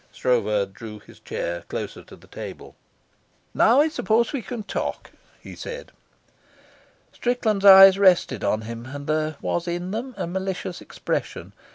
Stroeve drew his chair closer to the table. "Now I suppose we can talk," he said. Strickland's eyes rested on him, and there was in them a malicious expression.